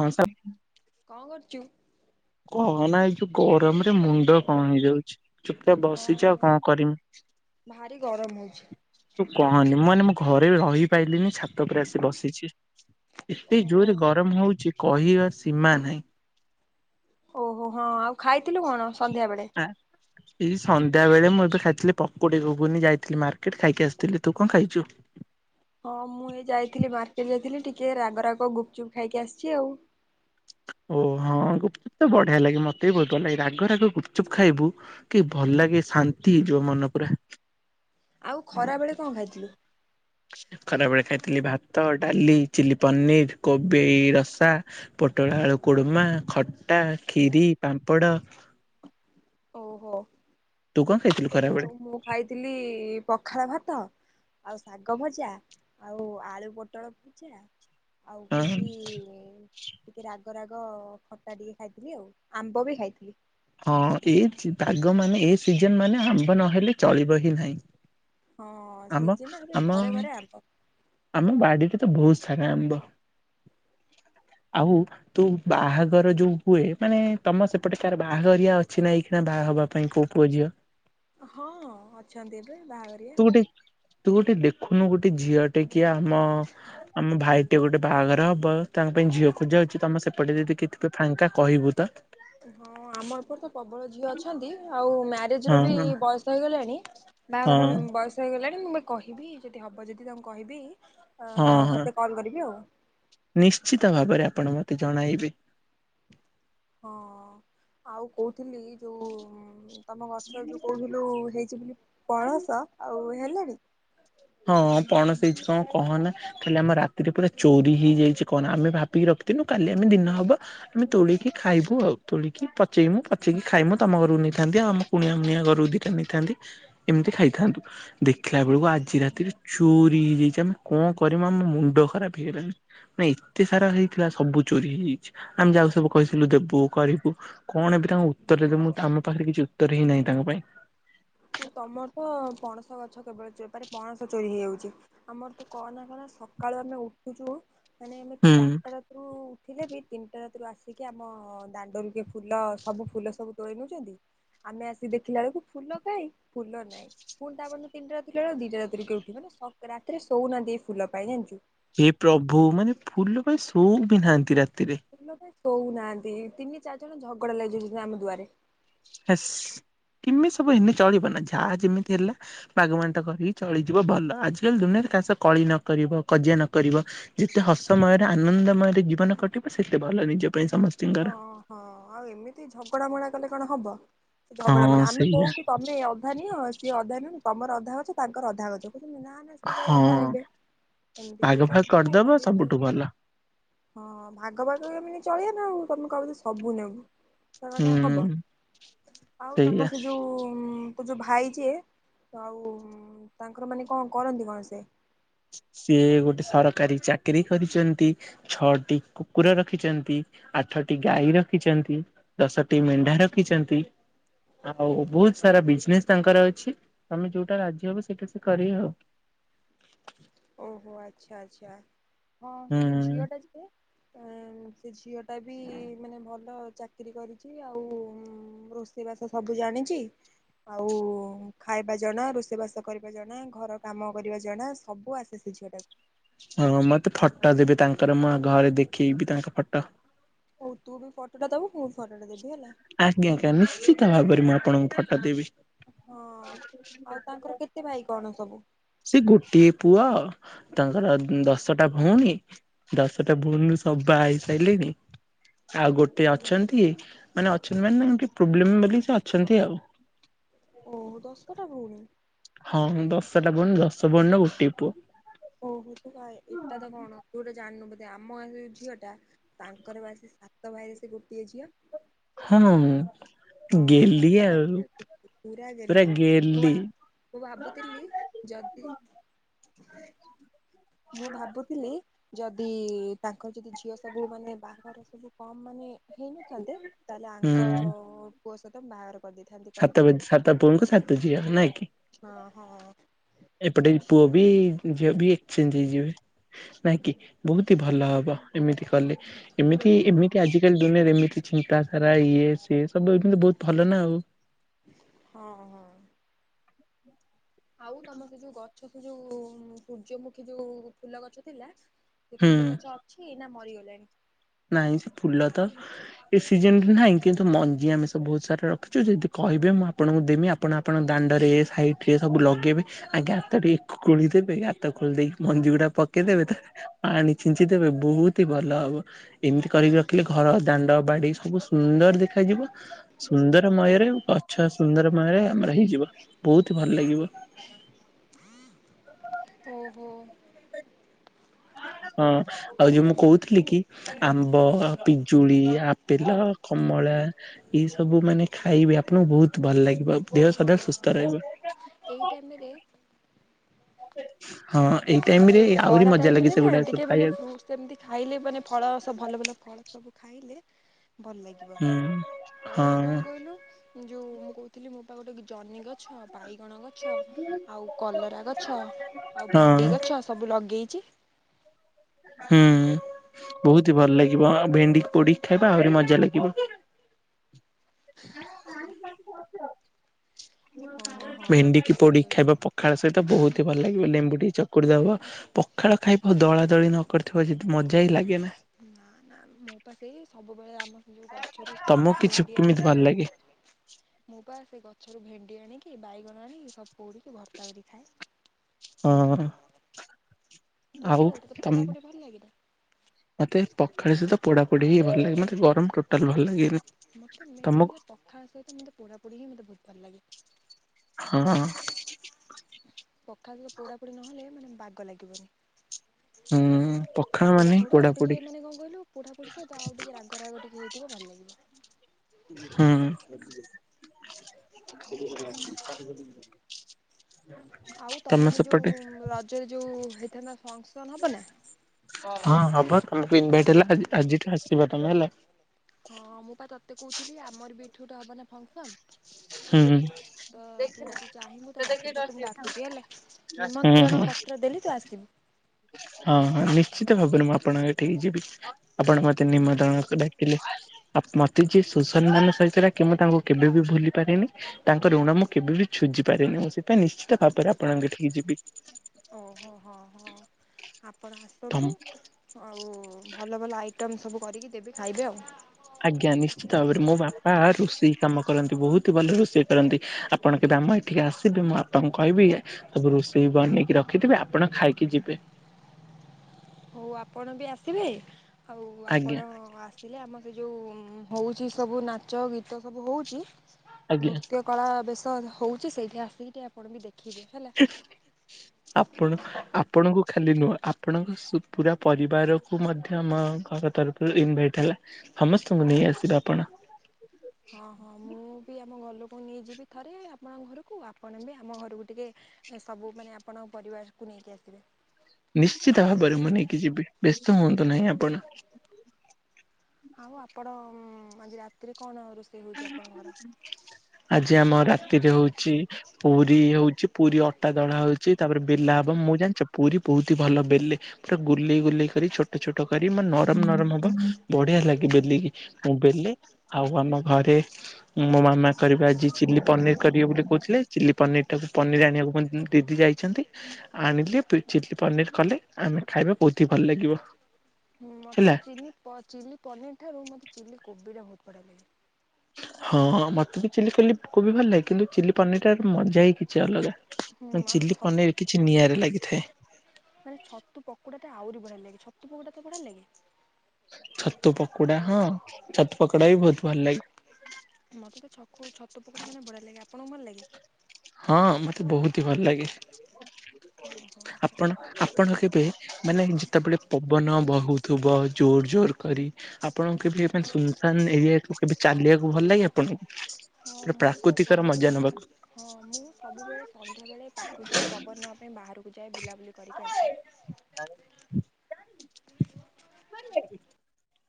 ହଁ ସ କଣ କରୁଚୁ? କହନା ଏଇ ଯଉ ଗରମ। ଏ ମୁଣ୍ଡ କଣ ହେଇଯାଉଚି ଚୁପଚାପ ବସିଚି ଆଉ ହଁ କଣ ଭାରି ଗରମ ହଉଛି। କରିମି। ତୁ କହନି ମୁଁ ମାନେ ମୋ ଘରେ ବି ରହିପାରିଲିନି ଛା ଉପରେ ଆସି ବସିଛି ଏତେ ଓହୋ ଜୋରରେ ଗରମ ହଉଛି କହିବା ସୀମା ନାହିଁ। ଓହୋ ହଁ ଆଉ ଖାଇଥିଲୁ କଣ? ସନ୍ଧ୍ୟା ବେଳେ? ହଁ ଏଇ ସନ୍ଧ୍ୟା ବେଳେ ମୁଁ ଏବେ ଖାଇଥିଲି ପକୁଡିକୁ ବୁନି ଯାଇଥିଲି ମାର୍କେଟ ଖାଇକି ଆସିଥିଲି ତୁ କଣ ଖାଇଛୁ ହଁ ମୁଁ ଏ ଯାଇଥିଲି ମାର୍କେଟ ଯାଇଥିଲି ଟିକେ ରାଗ ରାଗ ଗୁପଚୁପ୍ ଖାଇକି ଆସିଛି ଆଉ। ଓହଁ ଗୁପଚୁପ ତ ବଢିଆ ଲାଗେ ମତେ ବି ବହୁତ ଭଲ ଲାଗେ ରାଗ ରାଗ ଗୁପଚୁପ୍ ଖାଇବୁ କି ଭଲ ଲାଗେ ଶାନ୍ତି ହେଇଯିବ ମନ ପୁରା ଆଉ ଖରା ବେଳେ କଣ ଖାଇଥିଲୁ ଖରାବେଳେ ଖାଇଥିଲି ଭାତ ଡାଲି ଚିଲି ପନିର କୋବି ରସା ପୋଟଳ ଆଳୁ କୁଡମା ଖଟା ଖିରି ପାମ୍ପଡ଼ ଓହୋ ତୁ କଣ ଖାଇଥିଲୁ ସେଇଆ ଖରାବେଳେ? ଆଉ ମୁଁ ଖାଇଥିଲି ପଖାଳ ଭାତ ଆଉ ଶାଗ ଭଜା ଆଉ ଆଳୁ ପୋଟଳ ଭଜା ଆଉ ହଁ ହଉଛି ଟିକେ ରାଗ ରାଗ ଖଟା ଟିକେ ଖାଇଥିଲି, ଆଉ ଆମ୍ବ ବି ଖାଇଥିଲି। ହଁ ଏ ପାଗ ମାନେ ଏ ସିଜନ ମାନେ ଆମ୍ବ ନହେଲେ ଚଳିବ ହିଁ ନାହିଁ। ହଁ ଆମ ସିଜିନ ଏବେ ଆମ ଘରେ ଘରେ ଆମ୍ବ। ଆମ ବାଡିରେ ତ ବହୁତ ସାରା ଆମ୍ବ। ସ ଆଉ ତୁ ବାହାଘର ଯୋଉ ହୁଏ, ମାନେ ତମ ସେପଟେ କାହାର ବାହାଘରିଆ ଅଛି ନା ଏଇଖିଣା ବାହାହବାପାଇଁ କୋଉ ପୁଅ ଝିଅ ହଁ ଅଛନ୍ତି ଏବେ ବାହାଘରିଆ। ତୁ ଗୋଟେ ଦେଖୁନୁ ଗୋଟେ ଝିଅ ଟେ କିଏ ଆମ ଆମ ଭାଇ ଟେ ଗୋଟେ ବାହାଘର ହବ ତାଙ୍କ ପାଇଁ ଝିଅଖୋଜାହୋଉଛି ତମ ସେପଟେ ଯଦି କିଏ ଥିବେ ଫାଙ୍କା କହିବୁ ତ। ହଁ ଆମ ଏପଟେ ତ ପ୍ରବଳ ଝିଅ ଅଛନ୍ତି ଆଉ ମ୍ୟାରେଜ ର ହଁ ବି ହଁ ବୟସ ହେଇଗଲାଣି। ବାହାଘର ବୟସ ହେଇଗଲାଣି, ମୁଁ କହିବି ଯଦି ହବ ଯଦି ତାଙ୍କୁ କହିବି ହଁ ତୋତେ କଲ୍ କରିବି ଆଉ। ନିଶ୍ଚିତ ଭାବରେ ଆପଣ ମତେ ଜଣାଇବେ। ହଁ ଆଉ କହୁଥିଲି, ଯୋଉ ତମ ଗଛରେଯୋଉ କହୁଥିଲୁ ହେଇଛି ବୋଲି ପଣସ ଆଉ ହେଲାଣି। ହଁ ପଣସ ହେଇଛି କଣ କହ ନା କାଲି ଆମ ରାତିରେ ପୁରା ଚୋରି ହେଇଯାଇଛି କହନା, ଆମେ ଭାବିକି ରଖିିଥିନୁ କାଲି ଆମେ ଦିନ ହବ ଆମେ ତୋଳିକି ଖାଇବୁ, ଆଉ ତୋଳିକି ପଚେଇମୁ, ପଚେଇକି ଖାଇମୁ ତମ ଘରୁକୁ ନେଇଥାନ୍ତି ଆଉ ଆମ କୁଣିଆ ମୁୁଣିଆ ଘରୁ ଦିଇଟା ନେଇଥାନ୍ତି ଏମିତି ଖାଇଥାନ୍ତୁ ଦେଖିଲା ବେଳକୁ ଆଜି ରାତି ସେଥିରେ ଚୋରି ହେଇଯାଇଛି ଆମେ କଣ କରିମୁ ଆମ ମୁଣ୍ଡ ଖରାପ ହେଇଗଲାଣି। ନାଇଁ ଏତେ ସାରା ହେଇଥିଲା ସବୁ ଚୋରି ହେଇଯାଇଛି ଆମେ ଯାହାକୁ ସବୁ କହିଥିଲୁ ଦେବୁ କରିବୁ। କଣ ଏବେ ତାଙ୍କୁ ଉତ୍ତର ଦେମୁଁ ଆମ ପାଖରେ କିଛି ଉତ୍ତର ହିଁ ନାହିଁ ତାଙ୍କ ପାଇଁ। ତୁ ତମର ତ ପଣସ ଗଛ କେବଳ ପଣସ ଚୋରି ହେଇଯାଉଛି। ଆମର ତ କହନା କହନା ସକାଳୁ ଆମେ ଉଠୁଛୁ ମାନେ ଆମେ ହୁଁ ଚାରିଟା ରାତିରୁ ଉଠିଲେ ବି ତିନିଟା ରାତିରୁ ଆସିକି ଆମ ଦାଣ୍ଡରୁ କିଏ ଫୁଲ ସବୁ ଫୁଲ ସବୁ ତୋଳି ନେଉଛନ୍ତି। ଆମେ ଆସିକି ଦେଖିଲା ବେଳକୁ ଫୁଲ କାଇଁ! ଫୁଲ ନାଇ ପୁଣି ତାପର ଦିନ ତିନିଟା ବେଳକୁ ଦିଟା ରାତିରୁ କିଏ ଉଠିବ ମାନେ ରାତିରେ ଶୋଉନାହାନ୍ତି ଏଇ ଫୁଲ ପାଇଁ ଜାଣିଛୁ। ହେ ପ୍ରଭୁ ମାନେ ଫୁଲ ପାଇଁ ସଉ ବି ନାହାନ୍ତି ରାତିରେ। ଇଲ ସେ ଶୋଉନାହାନ୍ତି ତିନି ଚାରି ଜଣ ଝଗଡା ଲାଗିଯାଉଛନ୍ତି ଆମ ଦୁଆରେ। ହେସ୍ କିମିତି ସବୁ ହେନେ ଚଳିବ ନା ଯାହା ଯେମିତି ହେଲେ ଭାଗବାଣ୍ଟ କରିକି ଚଳିଯିବ ଭଲ, ଆଜିକାଲି ଦୁନିଆରେ କାହା ସହ କଳି ନକରିବ କଜିଆ ନ କରିବ ଯେତେ ହସମୟରେ ଆନନ୍ଦମୟରେ ଜୀବନ କଟିବ ସେତେ ଭଲ ନିଜପାଇଁ ହଁ ହଁ ଆଉ ଏମିତି ଝଗଡା ମଗଡା କଲେ କଣ ହବ? ଝଗଡା ହଁ ମଡା ଆମେ ସେଇଆ କୋଉଠୁ ତମେ ଅଧା ନିିଅ ସିଏ ଅଧା ନିଅନ୍ତୁ। ତମର ଅଧା ଗଛ ତାଙ୍କର ଅଧା ଗଛ। କହୁଛନ୍ତି ନା ସିଏ କାହିଁ ହଁ ଅଧା ନେବେ ଏମିତି ଭାଗ ଭାଗ କହୁଛନ୍ତି? କ'ଣ କରିଦବ କହିବୁ ଆଉ? ସବୁଠୁ ଭଲ ହଁ ଭାଗ ବାଣ୍ଟ ହେଇକି ଚଳିବ ନା ଆଉ ତମେ କହିବ ସବୁନବୁ। କ'ଣ ହବ? ହୁଁ। ଆଉ ସେଇଆ ତମର ସେ ଯୋଉ ତୋ ଯୋଉ ଭାଇ ଯିଏ ଆଉ ତାଙ୍କର ମାନେ କ'ଣ କରନ୍ତି କ'ଣ ସେ? ସିଏ ଗୋଟେ ସରକାରୀ ଚାକିରୀ କରିଛନ୍ତି। ଛଅଟି କୁକୁର ରଖିଛନ୍ତି। ଆଠଟି ଗାଈ ରଖିଛନ୍ତି। ଦଶଟି ମେଣ୍ଢା ରଖିଛନ୍ତି। ଆଉ ବହୁତ ସାରା ବିଜନେସ୍ ତାଙ୍କର ଅଛି, ତମେ ଯୋଉଟା ରାଜି ହବ ସେଇଟା ସେ କରିବେ ହଉ। ଓହୋ ଆଚ୍ଛା ଆଚ୍ଛା ହଁ ହୁଁ ଝିଅ ଟା ଯିବ। ସେ ଝିଅଟା ବି ମାନେ ଭଲ ଚାକିରିୀ କରିଛି। ଆଉ ମୁଁ ରୋଷେଇ ବାସ ସବୁ ଜାଣିଚି। ଆଉ ଖାଇବା ଜଣା ରୋଷେଇ ବାସ କରିବା ଜଣା ଘର କାମ କରିବା ଜଣା ସବୁ ଆସେ। ସେ ଝିଅ ଟା କୁ ହଁ ମତେ ଫଟ ଦେବେ। ତାଙ୍କର ମୁଁ ଘରେ ଦେଖେଇବି ତାଙ୍କ ଫଟ। ହଉ ତୁ ବି ଫଟୋ ଟା ଦବୁ। ମୁଁ ଫଟୋ ଟା ଦେବି ହେଲା। ଆଜ୍ଞା ଆଜ୍ଞା। ନିଶ୍ଚିତ ଭାବରେ ମୁଁ ଆପଣଙ୍କୁ ଫଟୋ ଦେବି। ହଁ, ଆଉ ତାଙ୍କର କେତେ ଭାଇ କ'ଣ ସବୁ? ସେ ଗୋଟିଏ ପୁଅ, ତାଙ୍କର ଦଶଟା ଭଉଣୀ। ଦଶଟା ଭଉଣରୁ ସବୁ ବାହା ହେଇସାରିଲେଣି। ଆଉ ଗୋଟେ ଅଛନ୍ତି। ମାନେ ଅଛନ୍ତି। ମାନେ ଟିକେ ପ୍ରୋବ୍ଲେମ ବୋଲି ସେ ଅଛନ୍ତ। ଆଉ ଓହୋ! ଦଶ ଟା ଭଉଣୀ! ହଁ, ଦଶଟା ଭଉଣୀ, ଦଶ ଭଉଣୀ ର ଗୋଟେ ପୁଅ। ଓହୋ। ତୁ ଏଇଟା ତ କ'ଣ, ତୁ ଗୋଟେ ଜାଣିନୁ ବୋଧେ। ଆମ ଝିଅ ଟା, ତାଙ୍କର ବା ସେ ସାତ ଭାଇରେ, ସେ ଗୋଟିଏ ଝିଅ। ହଁ। ହଁ ଗେଲି ସାତଟା ଆଉ ଭାଇରେ ପୁରା ପୁରା ଗଲି ଗେଲି। ୱାଉ। ମୁଁ ଭାବୁଥିଲି। ଯଦି! ମୁଁ ଭାବୁଥିଲି! ଯଦି ତାଙ୍କର ଯଦି ଝିଅ ସବୁ ମାନେ ବାହାଘର ସବୁ କମ ମାନେ ହେଇନଥାନ୍ତେ। ତାହେଲେ, ହୁଁ ଆଙ୍କ ପୁଅ ସହିତ ବାହାଘର। କରିଦେଇଥାନ୍ତି ସାତ କହିକି। ବେଦି, ସାତ ପୁଅଙ୍କୁ ସାତ ଝିିଅ ନାଇଁ କି? ହଁ, ହଁ। ଏପଟେ ପୁଅ ବି ଝିଅ ବି ଏକ୍ସଚେଞ୍ଜ ହେଇଯିବେ। ନାଆଁ କି ବହୁତ ଭଲ ହବ। ଏମିତି କଲେ, ଏମିତି, ଏମିତି ଆଜି ଦୁନିଆରେ ଏମିତି ଚିନ୍ତା ଧାରା ଇଏ ସିଏ ସବୁ ଏମିତି ବହୁତ ଭଲ ନା ଆଉ। ହଁ, ହଁ। ଆଉ ତମର ସେ ଯୋଉ ଗଛ ସେ ଯୋଉ ସୂର୍ଯ୍ୟମୁଖୀ ଯୋଉ ଫୁଲ ଗଛ ଥିଲା। ସେ ହୁଁ ଫୁଲ ଗଛ ଅଛି। ନା ମରିଗଲାଣି। ନାହିଁ ସେ ଫୁଲ ତ ଏ ସିଜନରେ ନାହିଁ, କିନ୍ତୁ ମଞ୍ଜି ଆମେ ସବ ବହୁତ ସାରା ରଖିଚୁ। ଯଦି କହିବେ ମୁଁ ଆପଣଙ୍କୁ ଦେମି। ଆପଣ, ଆପଣଙ୍କ ଦାଣ୍ଡରେ, ସାଇଡ଼ରେ, ସବୁ ଲଗାଇବେ। ଆଜ୍ଞା ଗାତ ଟିକେ ଖୋଳିଦେବେ ଗାତ ଖୋଳି ଦେଇେ କି ମଞ୍ଜି ଗୁଡା ପକେଇଦେବେ। ତା ପାଣି ଛିଞ୍ଚି ଦେବେ, ବହୁତି ହି ଭଲ ହବ। ଏମିତି କରିକି ରଖିଲେ, ଘର, ଦାଣ୍ଡ, ବାଡି, ସବୁ ସୁନ୍ଦର ଦେଖାଯିବ। ସୁନ୍ଦରମୟରେ, ଗଛ ସୁନ୍ଦରମୟରେ, ଆମର ହେଇଯିବ। ବହୁତ ହି ଭଲ ଲାଗିବ। ଓହୋ! ହଁ। ଆଉ ଯୋଉ, ମୁଁ କହୁଥିଲି କି? ଆମ୍ବ, ପିଜୁଳି, ଆପେଲ, କମଳା, ଏଇ ସବୁ ମାନେ ଖାଇବେ। ଆପଣଙ୍କୁ ବହୁତ ଭଲ ଲାଗିବ। ଦେହ, ହଁ ସଦାବେଳେ ହଁ ସୁସ୍ଥ ରହିବ। ଏଇ ଟାଇମରେ। ହଁ ଏଇ ଟାଇମ ରେ ଆହୁରି ମଜା ଲାଗେ ସେଗୁଡା ସବୁ ଖାଇବାକୁ। ସେମିତି ଖାଇଲେ ମାନେ ଫଳ ସବୁ ଭଲ ଭଲ ଫଳ କଣ ସବୁ ଖାଇଲେ ଭଲ ଲାଗେ। ହୁଁ। ଆଉ ହେଲା ହଁ କଣ କହିଲୁ ଯୋଉ ମୁଁ କହୁଥିଲି ମୋ ପା ଜହ୍ନିଗଛ ବାଇଗଣ ଗଛ ଆଉ କଲରା ଗଛ ଆଉ ହଁ ଭେଣ୍ଡି ଗଛ ସବୁ ଲଗେଇଛି। ହୁଁ ବହୁତି ହି ଭଲ ଲାଗିବ ଭେଣ୍ଡି ପୋଡିକି ଖାଇବା ଆହୁରି ମଜା ଲାଗିବ। ହଁ ହଁ ଭେଣ୍ଡି କି ତୁ ଠିକ୍ ପୋଡିକି କହିଲୁ। ଖାଇବା ପଖାଳ ସହିତ ବହୁତ ହି ଭଲ ଲାଗିବ ଲେମ୍ବୁଟିକେ ଚକୁଟି ଦବ ପଖାଳ ଖାଇବ ଦଳା ଦଳି ନ କରିଥିବ ଯଦି ମଜା ହିଁ ଲାଗେ ନା। ନା ନା ମୁଁ ପା ସେଇ ସବୁବେଳେ ଆମ ଯୋଉ ଗଛରୁ ତମକୁ କିଛି ଭେଣ୍ଡି କେମିତି ଆଣିକି ଭଲ ଲାଗେ ମୁଁ ପା ସେ ଗଛରୁ ଭେଣ୍ଡି ଆଣିକି ବାଇଗଣ ଆଣିକି ସବୁ ପୋଡି କି ଭର୍ତ୍ତା କରିକି ଖାଏ। ହଁ। ତୁ ଆଉ ଖାଉ ତତେ ତମ ପୋଡା ପଡ଼ି ଭଲ ଲାଗେ। ମତେ ପଖାଳ ସହିତ ପୋଡା ପୋଡି ହି ଭଲ ଲାଗେ ମତେ ଗରମ ଟୋଟାଲ ଭଲ ଲାଗେନି। ମୋତେ ତମକୁ ମେନ ପଖାଳ ସହିତ ମୋତେ ପୋଡା ପୋଡ଼ି ହିଁ ମୋତେ ବହୁତ ଭଲ ଲାଗେ। ହଁ। ପଖାଳ ସହିତ ପୋଡ଼ାପୋଡ଼ି ନହେଲେ ମାନେ ବାଗ ଲାଗିବନି। ହୁଁ ପଖାଳ ପୋଡ଼ା ମାନେ ପୋଡି ଆଉ ପୋଡାପୋଡି ଟିକେ ମାନେ କଣ କହିଲୁ ପୋଡ଼ା ପୋଡି ସହିତ ଆଉ ଟିକେ ରାଗ। ରାଗ ରାଗ ଟିକେ ହେଇଥିବ ଭଲ ଲାଗିବ। ହୁଁ। ଆଉ ତମ ସେ ଯୋଉ ରଜରେ ଯୋଉ ହେଇଥାନ୍ତା ଫଙ୍କସନ ହବ ନା। ହଁ ହବ ତମକୁ ଇନଭାଇଟ ହେଲା ଆଜିଠୁ ଆସିବ ତମେ ହେଲା। ହଁ ମୁଁ ପା ତତେ କହୁଥିଲି ଆମର ବି ଏଠୁ ଗୋଟେ ହବ ନା ଫଙ୍କସନ। ହୁଁ ହୁଁ ତ ତୁ ଯଦି ଚାହିଁବୁ ତାହେଲେ ଆସିବୁ ତତୋ ମୁଁ ଡାକୁଚି ହେଲା। ନିମନ୍ତ୍ରଣ ହୁଁ ପତ୍ର ଦେଲି ତୁ ଆସିବୁ। ହଁ ହଁ ନିଶ୍ଚିତ ଭାବରେ ମୁଁ ଆପଣଙ୍କ ଏଠି ଯିବି ଆପଣ ମତେ ହଁ ନିମନ୍ତ୍ରଣ କଲେ। ଆ ମତେ ଯିଏ ସୁ ସମ୍ମାନ ସହିତ ଡାକେ ମୁଁ ତାଙ୍କୁ କେବେ ବି ଭୁଲି ପାରିନି। ତାଙ୍କର ଋଣ ମୁଁ କେବେ ବିି ସୁଜି ପାରେନି ମୁଁ ସେଥିପାଇଁ ନିଶ୍ଚିତ ଭାବରେ ଆପଣଙ୍କ ଏଠିକି ଯିବି। ଓହୋ ହଁ ହଁ। ଆପଣ ତମ ଆସନ୍ତୁ ଆଉ ଭଲ ଭଲ ଆଇଟମ୍ ସବୁ କରିକି ଦେବେି ଖାଇବେ ଆଉ। ଆଜ୍ଞା ନିଶ୍ଚିତ ଭାବରେ ମୋ ବାପା ରୋଷେଇ କାମ କରନ୍ତି ବୋହୁତ ଭଲ ରୋଷେଇ କରନ୍ତି। ଆପଣ କେବେ ଆମ ଏଇଠିକି ଆସିବେ ମୁଁବାପାଙ୍କୁ କହିବି ସବୁ ରୋଷେଇ ବନେଇକି ରଖିଥିବେ ଆପଣ ଖାଇକି ଯିବେ। ହଉ ଆପଣ ବି ଆସିବେ ଆଉ ଆପଣ ଆଜ୍ଞା ଆ ଆମ ସେ ଯୋଉ ହୋଉଚି ସବୁ ନାଚ ଗୀତ ସବୁ ହୋଉଚି ଆଜ୍ଞା ନୃତ୍ୟ କଳା ବେଶ ହଉଚି ସେଇଠି ଆସିକି ଟିକେ ଆପଣ ବି ଦେଖିବେ। ହେଲା। ଆପଣ ଆପଣଙ୍କୁ ଖାଲି ନୁହେଁ ଆପଣଙ୍କ ପୁରା ପରିବାରକୁ ମଧ୍ୟ ଆମ ଘର ତରଫରୁ ଇନଭାଇଟ ହେଲା ସମସ୍ତଙ୍କୁ ନେଇ ଆସିବେ ଆପଣ। ହଁ ହଁ ମୁଁ ବି ଆମ ଘ ଲୋକ ନେଇଯିବି ଥରେ ଆପଣଙ୍କ ଘରକୁ ଆପଣ ବି ଆମ ଘରକୁ ଟିକେ ସବୁ ମାନେ ଆପଣଙ୍କ ପରିବାରକୁ ନେଇକି ଆସିବେ। ନିଶ୍ଚିତ ଭାବରେ ମୁଁ ନେଇକି ଯିବି ବ୍ୟସ୍ତ ହୁଅନ୍ତୁ ନାହିଁ ଆପଣ। ଆଉ ଆପଣ ଆଜି ରାତିରେ କଣ ରୋଷେଇ ହଉଚି ଆପଣଙ୍କର। ଆଜି ଆମ ରାତିରେ ହଉଚି ପୁରୀ ହଉଚି ପୁରୀ ଅଟା ଦଳା ହଉଚି। ତାପରେ ବେଲା ହବ ମୁଁ ଜାଣିଚ ପୁରୀ ବହୁତ ହି ଭଲ ବେଲେ। ପୁରା ଗୁଲେଇ ଗୁଲେଇ କରି ଛୋଟ ଛୋଟ କରି ମ ନରମ ନରମ ହବ ବଢିଆ ଲାଗେ ବେଲିକି। ମୁଁ ବେଲେ ଆଉ ଆମ ଘରେ ମୋ ମାମା କରିବେ ଆଜି ଚିଲି ପନିର କରିବେ ବୋଲି କହୁଥିଲେ ଚିଲି ପନିର ଟାକୁ ପନିର ଆଣିବାକୁ ମୁ ଦିଦି ଯାଇ ଆଣିଲେ ଚିଲି ପନିର କଲେ ଆମେ ଖାଇବା ବହୁତ ହି ଭଲ ଲାଗିବ। ଉଁ ହେଲା। ମତେ ଚିନି ପ ଚିଲି ପନିରଠାରୁ ମତେ ଚିଲି କୋବିଟା ବୋହୁତ ବଢିଆ ଲାଗେ। ହଁ ମତେ ବି ଚିଲି କୋଲି କୋବି ଭଲଲାଗେ କିନ୍ତୁ ଚିଲି ପନିରଟାରେ ମଜା ହି କିଛି ଅଲଗା। ହୁଁ ଆଉ ମାନ ଗୋଟେ ଛ ଚିଲି ପନିର କିଛି ନିଆଁରେ ଲାଗିଥାଏ। ମାନେ ଛତୁ ପକୋଡାଟା ଆହୁରି ବଢିଆ ଲାଗେ ଛତୁ ପକୋଡା ତ ବଢିଆ ଲାଗେ। ଛତୁ ପକୋଡା ହଁ ଛତୁ ପକୋଡା ବି ବୋହୁତ ଭଲ ଲାଗେ। ମତେ ତ ଛକୁ ଛତୁ ପୋକୋଡ଼ା ମାନେ ବଢିଆ ଲାଗେ ଆପଣଙ୍କୁ ଭଲ ଲାଗେ? ହଁ ମତେ ବୋହୁତ ହି ଭଲ ଲାଗେ। ଓହୋ। ଆଚ୍ଛା ଆପଣ ଆଚ୍ଛା ଆପଣ କେବେ ମାନେ ଯେତେବେଳେ ପବନ ବୋହୁଥିବ ଜୋର ଜୋର କରି ଆପଣଙ୍କୁ କେବେ ମାନେ ସୁନସାନ୍ ଏରିଆକୁ କେବେ ଚାଲିବାକୁ ଭଲ ଲାଗେ ଆପଣଙ୍କୁ? ହଁ ମୁଁ ତ ପ୍ରାକୃତିକର ମଜା ସବୁବେଳେ ନବାକୁ। ହଁ ମୁଁ ସବୁବେଳେ ସନ୍ଧ୍ୟାବେଳେ ପ୍ରାକୃତିକ ପବନ ନବା ପାଇଁ ବାହାରୁ କୁ ଯାଏ ବୁଲାବୁଲି କରିକି ଆସେ। ଗାଁର